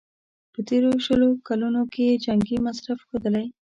په تېرو شلو کلونو کې یې جنګي مصرف ښودلی.